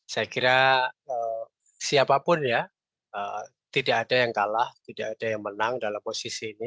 saya kira siapapun ya tidak ada yang kalah tidak ada yang menang dalam posisi ini